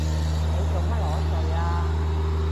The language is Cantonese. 你做乜裸睡啊？